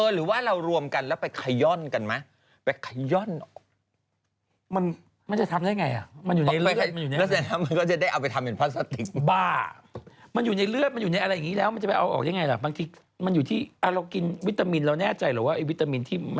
หรือว่าเรารวมกันแล้วไปไขย่อนกันไหม